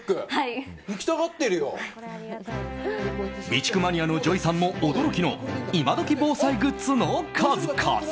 備蓄マニアのＪＯＹさんも驚きの今時防災グッズの数々。